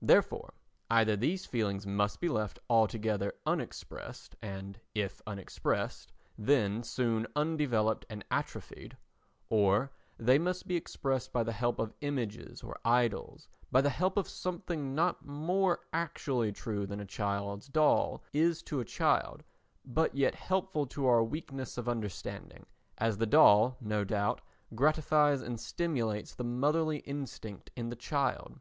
Therefore either these feelings must be left altogether unexpressed and, if unexpressed, then soon undeveloped and atrophied, or they must be expressed by the help of images or idols—by the help of something not more actually true than a child's doll is to a child, but yet helpful to our weakness of understanding, as the doll no doubt gratifies and stimulates the motherly instinct in the child.